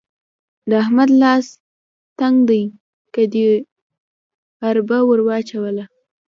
د احمد لاس تنګ دی؛ که دې اربه ور وچلوله.